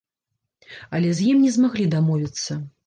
Але з ім не змаглі дамовіцца.